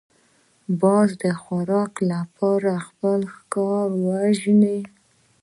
باز د خوراک لپاره خپل ښکار وژني